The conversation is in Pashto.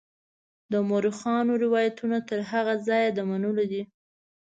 د مورخانو روایتونه تر هغه ځایه د منلو دي.